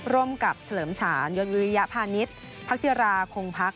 ร่วมกับเฉลิมฉานยศวิริยพาณิชย์พักจิราคงพัก